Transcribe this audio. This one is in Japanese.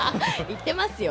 いってますよ。